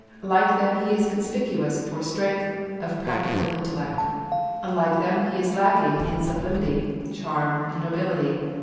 Like them he is conspicuous for strength of practical intellect; like them he is lacking in sublimity, charm, and nobility.